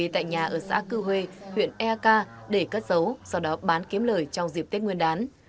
tại nhà ở xã cư huê huyện eak để cất giấu sau đó bán kiếm lời trong dịp tết nguyên đán